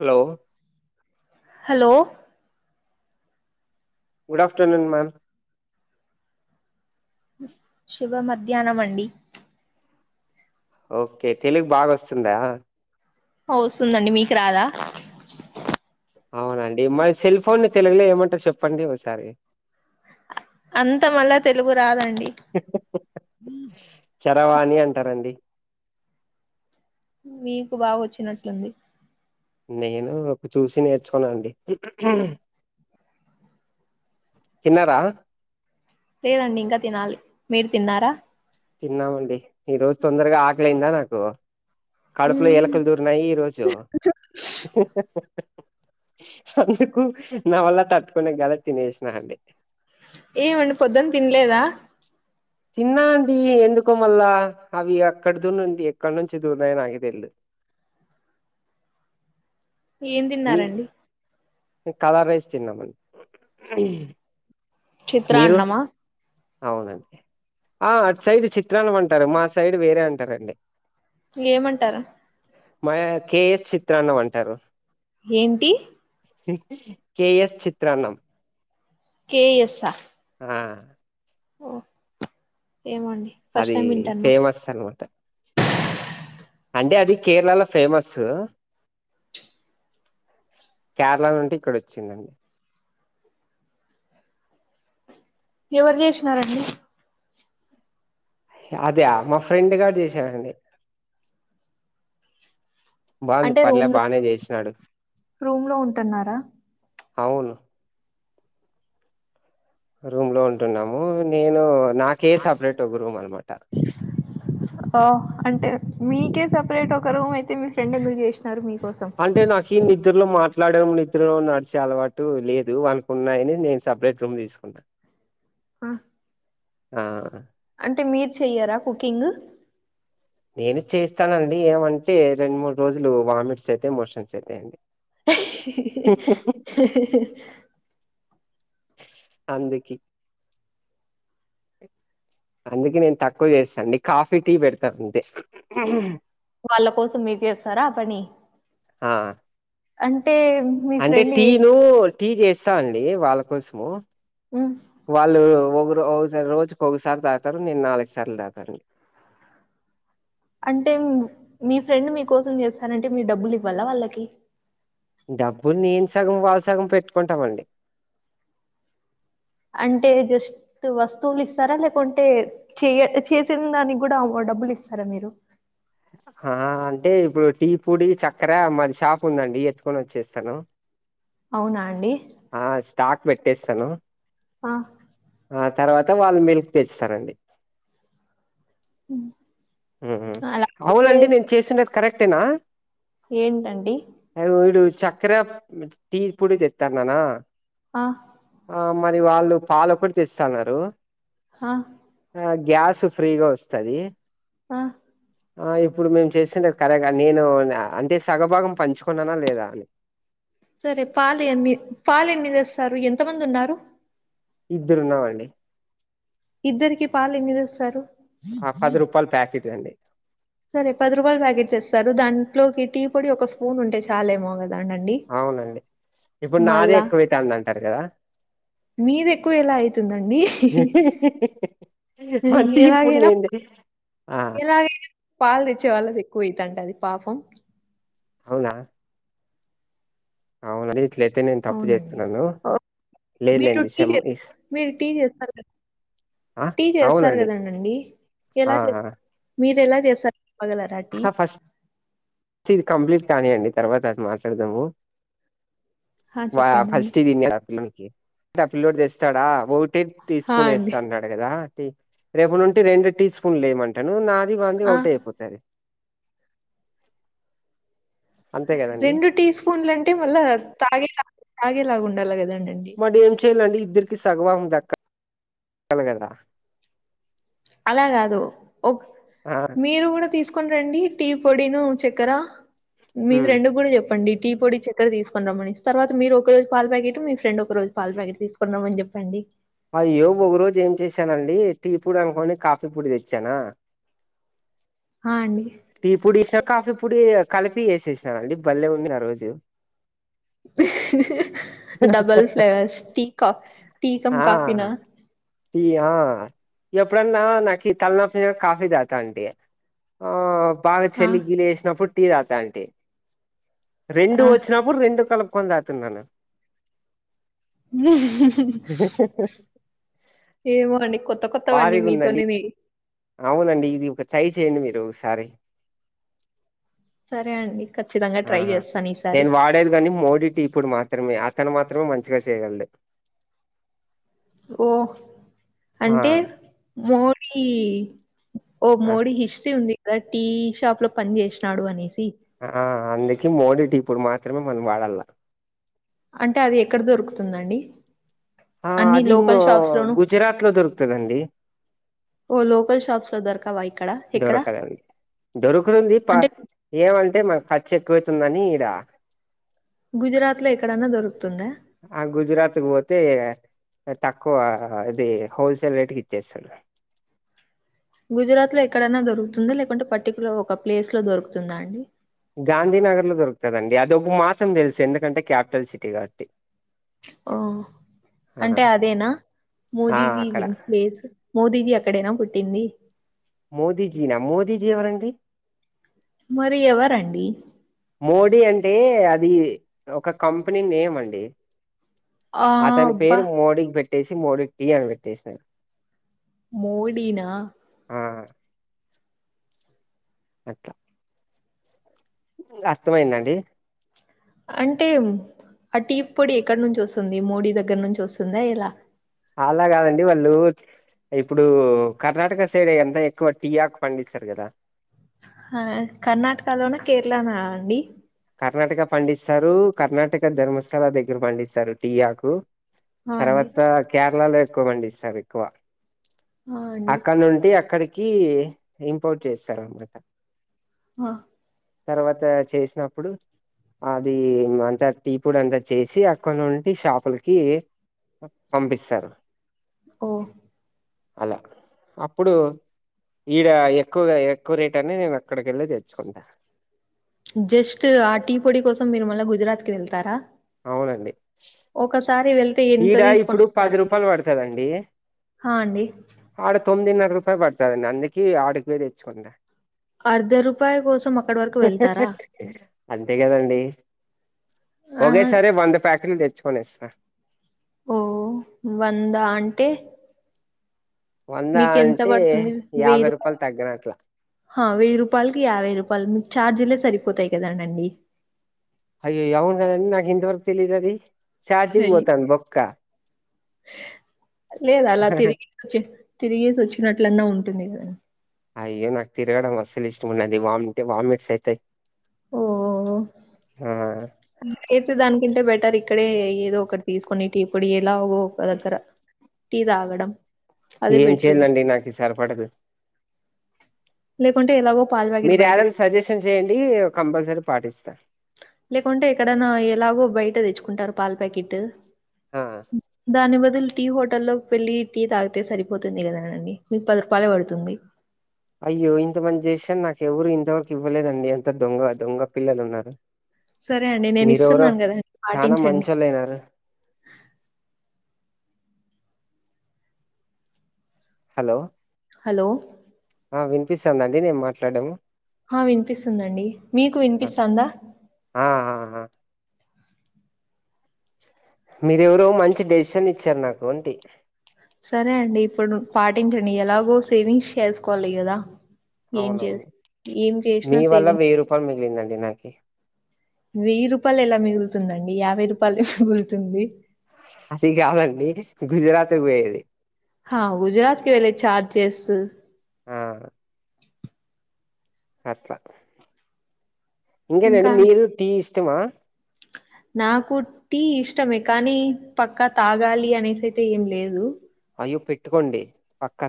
Hello hello good afternoon ma'am శుభ మధ్యాహ్నం అండి ఓకే తెలుగు బాగోస్తుందా వస్తుందండి మీకు రాదా అవునండి మరి సెల్ ఫోన్ ని తెలుగులే ఏమంటారు చెప్పండి ఒకసారి అంత మళ్ళా తెలుగు రాదండి చరవాణి అంటారండి మీకు బాగా వచ్చినట్లుంది నేను అప్పుడు చూసి నేర్చుకున్నా అండి తిన్నారా లేదండి ఇంకా తినాలి మీరు తిన్నారా తిన్నామండి ఈ రోజు తొందరగా ఆకలి అయిందా నాకు కడుపులో ఎలకలు దురినాయి ఈరోజు అందుకు నా వల్ల తట్టుకునే కల తినేసిన అండి ఏమండి పొద్దున్న తినలేదా తిన్న అండి ఎందుకో మళ్ళా అవి అక్కడ దు ఎక్కడి నుంచి దూరినయో నాకు తిలేదు ఏం తిన్నారండి కలార్ రైస్ తిన్నామండి మీరు చిత్రన్నమా అవునండి ఆ అటు సైడ్ చిత్రాన్నం అంటారు మా సైడ్ వేరే అంటారండి ఏమంటారు మాయా కె చిత్రాన్నం అంటారు ఏంటి కె ఎస్ చిత్రాన్నం కే యసా ఆ ఓ ఏమోండి ఫస్ట్ అది టైం వింటాన్నా ఫేమస్ అనమాట అంటే అది కేరళలో ఫేమస్ కేరళ నుండి ఇక్కడ వచ్చిందండి ఎవరు చేసినారండి అదా మా ఫ్రెండ్ గాడు చేసారండి బాగుంది అంటే పర్లే రూమ్ లో బానే చేసినాడు రూమ్ లో ఉంటున్నారా అవును రూమ్ లో ఉంటున్నాము నేను నాకే సపరేట్ ఒక రూమ్ అనమాట ఓ అంటే మీకే సపరేట్ ఒక రూమ్ అయితే మీ ఫ్రెండ్ ఎందుకు చేసిన అంటే నాకి నిద్రలో మాట నాకేమో నిత్ర్రలు నడిచే అలవాటు లేదు అనుకున్నాయని నేను సపరేట్ రూమ్ తీసుకున్నా ఆ ఆ అంటే మీరు చెయ్యారా కుకింగ్ నేను చేస్తానండి ఏమంటే రెండు మూడు రోజులు వామిట్స్ అయితాయ్ మోషన్స్ అయితాయండి ఒ అందుకి అందుకే నేను తక్కువ చేస్తాను అండి కాఫీ టీ పెడతాను అంతే వాళ్ళ కోసం మీరు చేస్తారా ఆ పని ఆ అంటే మీ అంటే ఫ్రెండ్ ఏ టీను టీ చేస్తా అండి వాళ్ళ కోసము హ్మ్ వాళ్ళు ఒక్కోగురు ఒకసారి రోజుకి ఒకసారి తాగుతారు నేను నాలుగు సార్లు తాగుతాను అంటే మీ ఫ్రెండ్ మీకోసం చేస్తానంటే మీరు డబ్బులు ఇవ్వాలా వాళ్ళకి డబ్బులు నేను సగం వాళ్ళ సగం పెట్టుకుంటామండి అంటే జస్ట్ వస్తువులు ఇస్తారా లేకుంటే చెయ చేసిన దానికి కూడా అమడు డబ్బులు ఇస్తారా మీరు ఆ అంటే ఇప్పుడు టీ పోడి చక్కెర మాది షాప్ ఉందండి ఎత్తుకొని వచ్చేస్తాను అవునా అండి ఆ స్టాక్ పెట్టేస్తాను ఆ ఆ తర్వాత వాళ్ళు మిల్క్ తెస్తారండి ఉమ్ అలా అయితే అవునండి నేను చేసిన్నది కరెక్టేనా ఏంటండి చెక్కర టీ పోడి తెస్తా అన్నానా ఆ మరి వాళ్ళు పాలు ఒకటే తెస్తనన్నారు హా గ్యాస్ ఫ్రీగా వస్తది ఆ ఆ ఇప్పుడు మేము చేసింది కరెక్గా నేను అంటే సగభాగం పంచుకున్నానా లేదా అని సరే పాలు ఎన్ని పాలు ఎన్ని తెస్తారు ఎంతమంది ఉన్నారు ఇద్దరున్న మండి ఇద్దరికి పాలు ఎన్ని తెస్తారు ఆది రూపాయల ప్యాకిట్ అండి సరే పది రూపాయల ప్యాకెట్స్ తేస్తారు దాంట్లోకి టీ పొడి ఒక స్పూన్ ఉంటే చాలేమో కద్ అవునండి ఇప్పుడు నాదే మళ్ళా ఎక్కువైతాంది అంటారు కదా మీది ఎక్కువ ఎలా అవుతుందండి పడు నంట ఎలాగైన్ పాలు తెచ్చేవాళ్ళకి ఎక్కువ అయితంటది పాపం అవునా అవునం ఇట్లయితే నేను తప్పు అవునండి చేస్తున్నాను ఓహ్! మీరు లేదులేండి టీ క్షమ్ చెస్ మీరుటీ చేస్తారు కదా ఆ టీ చేస్తారు అవునండి కదండండి ఆ ఎలా చే ఆ మీరు ఎలా [unintelligible] టి స్ట్ ఇది కంప్లీట్ కానీయండి తర్వాత అది మాట్లాడుదాము ఆ వా చెప్పండండి ఫస్ట్ ఇది విన్నడ్ ఆ పిల్లోకి ఆ పిల్లుడ్ చేస్తాడా ఒకటి టీ ఆ స్పూన్ అండి వేస్తా అంటన్నాడు కదా టి రేపు నుండి రెండు టీ స్పూన్లు లేమంటాను నాది వంది ఆ ఒకటే అయిపోతది అంతే కదండి రెండు టీ స్పూన్లు అంటే మళ్ళా తాగేలా తాగేలాగుండాలి కదం మరి ఏం చేయాలండి ఇద్దరికిీ సగభాగం దక్కలీ కద అలా కాదు ఓక్ ఆ మీరు కూడా తీస్ కొని రండి టీ పొడిను చక్కెర మీ ఉమ్ ఫ్రెండ్ కూడా చెప్పండి టీ పొడి చక్కర తీసుకు రమ్మని తర్వాత మీరు ఒక రోజు పాలు ప్యాకెట్ మీ ఫ్రెండ్ ఒక రోజు పాలు ప్యాకెట్ తీసుకోని రమ్మని చెప్పండి అయ్యో ఒక రోజు ఏం చేసానండి టీ పూడి అనుకోని కాఫీ పోడి తెచ్చానా ఆ అండి టీ పొడి ఎసినా కాఫీ పోడి కలిపి ఎసేసినాను అండి బలే ఉంది ఆ రోజు డబల్ ఫ్లేయర్స్టీకా టీక టి కమ్ కాఫీనా ఆ టీ ఆ ఎప్పుడన్నా నాకి తలనొప్పి కాఫీ తాగుతంటి బాగా ఆ చలీ గీలి ఎసినప్పుడు టీ తగుతంటి రెండు ఆ వచ్చినప్పుడు రెండు కలు కొని తాగుతున్నాను ఏమో అండి కొత్ త్త కొత్తవన్నీ భారీగుందండి మీతోనే అవునండి ఇది ఒక ట్రై చేయండి మీరు ఒకసారి సరే అండి ఖచ్చితంగా ఆ ట్రై చేస్తాను ఈసారి నేను వాడేది కానీ మోడీటి పొడి మాత్రమే తను మాత్రమే మంచిగా చేయగలడ్ ఓ ఆ అంటే మోది ఓ ఆ మోది హిస్టరీ ఉంది గ టీ షాప్ లో పని చేసినాడు అనేసి ఆ అందుకి మోడి టి పొడి మాత్రమే మనం వాడాళ్ళ అంటే అది ఎక్కడ దొరుకుతుందండి ఆ అన్ని అది మో లోకల్ షాప్స్ లోను గుజరాత్ లో దొరుకుతదండి ఓ లోకల్ షాప్స్ దోరకా వాయిట్ దొరకదండి దొరుకుతుంది ప అంటే ఏమంటే కట్ కచ్రు ఎక్కువైతుందని ఈడ గుజరాత్‌లో ఎక్కడన్నా దొరుకుతుందా? ఆ గుజరాత్కు పోతే తక్కువ ఇది హోల్సేల్ రేట్కూ ఇచ్చేస్సారు గుజరాత్ లో ఎక్కడనా దొరుకుతుందా లేకుంటే పర్టికులర్ ఒక ప్లేస్ లో దొరుకుతుందా అండి గాంధీనగర్ లో దొరుకుతదండి అది ఒక మాత్రం తెలుసు ఎందుకంటే క్యాపిటల్ సిటీ కాబట్టి ఓ ఆ అంటే అదేనా ఆ మోదీజీ అక్కడ మోదీజీ అ ఇక్కడేనా పుట్టింది మోదీజీన మోదీజీ ఎవరండి మరి ఎవరండి మోడీ అంటే అది ఒక కంపెనీ నేమ్ అండి ఆ! అతని అబ్బా! పేరు మోడీకి పెట్టేసి మోడీ టీ అని పెట్టేశారు మోడీ నా హ అట్ల అర్థంమైందండి అంటే ఆ టీ పొడి ఎక్కడ నుంచి వస్తుంది మోడీ దగ్గర నుంచి వస్తుందా ఎలా అలా కాదండి వాళ్ళు ఇప్పుడు కర్ణాటక సైడ్ అంత ఎక్కువ టీ ఆకూ పండిస్తారు కదా హ కర్ణాటకలోనా కేరళనా అండి కర్ణాటక పండిస్తారు కర్ణాటక ధర్మస్థల దగ్గర పండిస్తారు టి ఆకు ఆ అండి. తర్వాత కేరళలో ఎక్కువ పండిస్తారు ఎక్కువ ఆ అండి. అక్కడ నుండి అక్కడికి ఇంపోర్ట్ చేస్తారు అనమాట హ తర్వాత చేసినప్పుడు అది అంత టీ పోడి అంతా చేసి అక్కన ఉండి షాపులకి పంపిస్తారు ఓ అలా అప్పుడు ఈడ ఎక్కువగా ఎక్కువ రేట్ అని నేను అక్కడికి వెెళ్ళి తెచ్చుకుంటా జస్ట్ ఆ టీ పొడి కోసం మీరు మళ్ల గుజరాత్ కి వెళ్తారా అవునండి ఒకసారి వెళ్తే ఎంత ఈడ తీసుకొని ఇప్పుడు పది వస్తారండి? రూపాయలు పడుతదండి ఆ అండి. ఆడ తో తొమ్మిదిన్నర రూపాయ పడుతుందండి అందుకే ఆడకు పోయ్ తెచ్చుకుందా అర్ధ రూపాయి కోసం అక్కడి వరకు వెళ్తారా? అంతే కదండి ఆ ఒకే సరే వంద ప్యాకెట్లు తెచ్చుకనేస్త ఓ వందా అంటే వంద మీకెంత అంటే యాభై రూపాయలు తగ్గినట్లా వెయ్యి రూపాయలకి యాభై రూపాయలు మీకు ఛార్జీలే సరిపోతాయి కదానండి అయాయ్యె అవును కదండి నాకు ఇంత వరకు తెలిదు అది చార్జి హెయ్ పొతది బొక్క లేదు అలా తిరిగి వచ్చి తిరిగిసి వచ్చినట్లన్నా ఉంటుంది కద అయ్యో నాకు తిరగడం అస్సలు ఇష్టంన్నది వామింటే వామిట్స్ అయితాయి ఓ ఆ ఎతే దానింటే బె అంటారు ఇక్కడే ఏదో ఒకటి తీసుకొని టీ పొడి ఎలాగో ఒక దగ్గర టీ తాగడం అదే ఏం బెటర్ ఏమో చేయలండి నాకు సరిపడదు. లేకుంటే ఎలాగో పాల ప్యాకెట్ మీరు బయట ఏదైనా తెచ్చుకుంటా. సజెషన్ చేయండి కంపల్సరీ పాటిస్తా. లేకుంటే ఎక్కడన్నా ఎలాగూ బయట తెచ్చుకుంటారు పాలు ప్యాకెట్ ఆ దాని బదులు టీ హోటల్లోకి వెళ్ళలి టీ తాగితే సరిపోతుంది కదాండి మీకు ప పల పడుతుంది. అయ్యో ఇంతమంది చేసారూ. నాకు ఎవరూ ఇంతవరకు ఇవ్వలేదండి అంత దొంగ పిల్లలు ఉన్నారు. సరే అండి నేను మీరెవరో ఇస్తున్నాను కదండి చానా పాటించండి మంచళ్ళయినారు. హలో! హలో! ఆ వినిపిస్తందాండి నేనీ మాట్లాడము ఆ వినిపిస్తుందండి మీకు ఆ వినిపిస్తుందా? ఆ ఆ! ఆ! మీరెవరో మంచి డెసిషన్ ఇచ్చారు నాకు అంటి సరే అండి ఇప్పుడు పాటించండి ఎలాగో సేవింగ్స్ చేసుకోవాలి కదా ఏం చే అవునవును ఏం చేసినా మీ వల్ల సేవింగ్ వెయ్యి రూపాయలు మిగిలిందండి నాకి వెయ్యి రూపాయలు ఎలా మిగులుతుందండి. యాభై రూపాయలు మిగులుతుంది. అది కాదండి గుజరాత్ కు పోయేది. హా గుజరాత్ కే వెళ్ళే చార్జెస్. అవును అట్లా ఇంకా నండి మీకి టీ ఇష్టమా? [inaudible] నాకు టీ ఇష్టమే కానీ పక్కా తాగాలి అనేసి అయితే ఏం లేదు. పెట్టుకోండి పక్క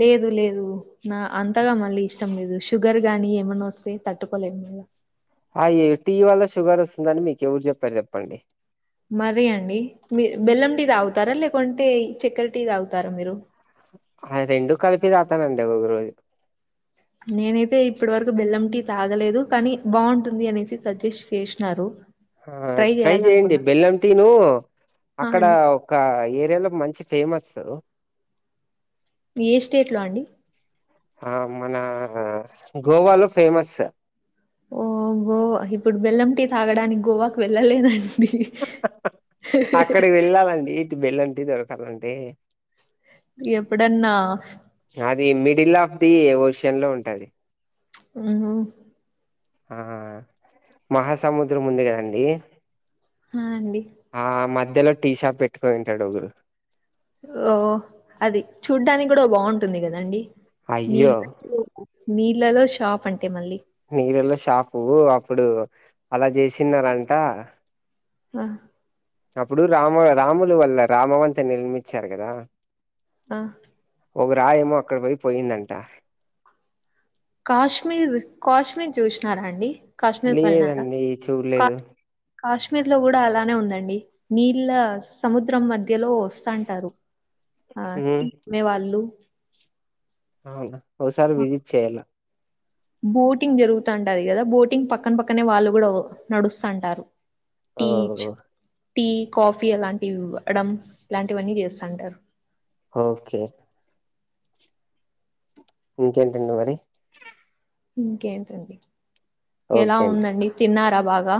లేదు లేదు అంతగా మళ్ళీ ఇష్టం లేదు. షుగర్ గాని ఏమైన్నా వస్తే తట్టుకోలేం మళ్ళా అఈ టీ వల్ల షుగర్ వస్తుందని మీకు ఎవరు చెప్పారు చెప్పండి. మరి అండి మీరు బెల్లం టీ తాగుతారా లేకుంటే చక్కర టీ తాగుతారా మీరు. అ రెండు కలిపి తాగుతానండి ఒక రోజు. నేనైతే ఇప్పటి వరకు బెల్లం టీ తాగలేదు కానీ బాగుంటుంది అనేసి సజెస్ట్ చేసినారు. ఆ ట్రై చెయ్యడి బెల్లంటీ ను ఆ అక్కడ అండి ఒక ఏరియాలో మంచి ఫేమస్ ఏ స్టేట్ లో అండి ఆ మన గోవాలో ఫేమస్. ఓ గోవా ఇప్పుడు బెల్లం టీ తాగడానికి గోవాకు వెళ్ళలేను అండి అక్కడికి [inaudible] వెళ్ళాలండి ఇటు బెల్లం టీ దొరకాల అంటే ఎప్పుడన్నా అది మిడిల్ ఆఫ్ ది ఓషియన్ లో ఉంటుది. మ్ హూ ఆ మహాసముద్రం ఉంది కదండీ ఆ అండి మధ్యలో టీ షాప్ పెట్టుకాని ఉంటాడు ఒకరు ఓ అది చూడ్డానికి కూడా బాగుంటుంది కదండి అయ్యో నీళ్ళ నీళ్లలో షాప్ అంటా నీళ్లలో షాపు అప్పుడు అలా చేసినరంట ఆ అప్పుడు రామ రాములు వల్ల రామవంత నిర్మించారు కదా ఆ ఒక రాయి ఏమో అక్కడ పోయి పోయిందంట కాశ్మీర్ కాశ్మీర్ చూసినారా అండి కాశ్మీర్కి వెళ్ళినరా లేదండి చూడలేదు కాశ్మీర్ లో కూడా అలానే ఉందండి నీళ్ళ సముద్రం మధ్యలో వస్తాంటారు ఆ ఉమ్ టి [inaudible] అమ్మేవాళ్ళు అవునా ఒకసారే విజిట్ చేయలా బోటింగ్ జరుగుతుంటది కదా బోటింగ్ పక్కన పక్కనే వాళ్ళు కూడా నడుస్తుంటారు తీచ్ ఓ టీ కాఫీ అలాంటివి ఇవ్వడం ఇలాంటివన్నీ చేస్తుంటారు ఓకే ఇంకేంటండి మరి ఇంకేంటండి ఎలా ఉందండి తిన్నారా బాగా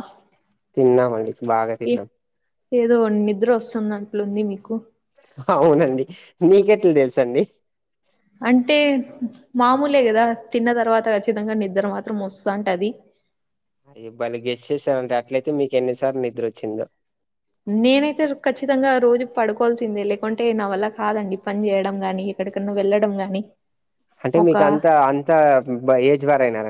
తిన్నం అండి బాగా ఏ తిన్నాం ఏదో నిద్ర వస్తున్నట్లుంది మీకు అవునండి మీకెట్లా తెలుసండి అంటే మామూలే కదా తిన్న తర్వాత ఖచ్చితంగా నిద్ర మాత్రం వస్తంటది బాలే గెస్ చేశారండి అట్లయితే మీకు ఎన్నిసార్లు నిద్ర వచ్చిందో నేనైతే ఖచ్చితంగా రోజు పడుకోవాల్సిందే లేకుంటే నా వల్ల కాదండి పని చేయడం గాని ఎక్కడికన్నా వెళ్ళడం గానీ అంటే మీకు అంత అంత ఏజ్ బార్ అయినార